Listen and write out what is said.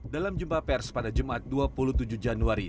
dalam jumpa pers pada jumat dua puluh tujuh januari